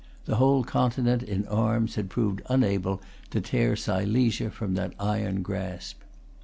The whole Continent in arms had proved unable to tear Silesia from that iron grasp.